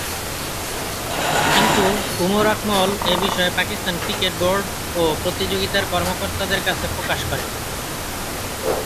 কিন্তু, উমর আকমল এ বিষয়ে পাকিস্তান ক্রিকেট বোর্ড ও প্রতিযোগিতার কর্মকর্তাদের কাছে প্রকাশ করেন।